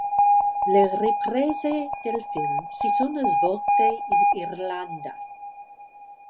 Le riprese del film si sono svolte in Irlanda.